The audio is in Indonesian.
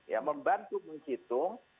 ya membantu menghitung